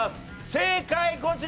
正解こちら！